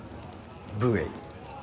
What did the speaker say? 武衛。